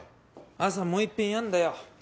朝もういっぺんやんだよ